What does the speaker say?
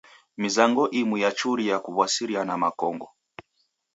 Mizango imu yachuria kuw'asiriana makongo.